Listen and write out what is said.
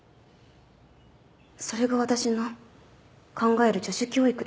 それが私の考える女子教育です。